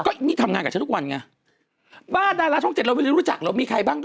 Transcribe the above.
ก็นี่ทำงานกับฉันทุกวันไงบ้านดาราช่องเจ็ดเราไม่ได้รู้จักเหรอมีใครบ้างก็